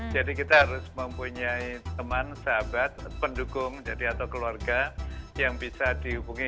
jadi kita harus mempunyai teman sahabat pendukung atau keluarga yang bisa dihubungi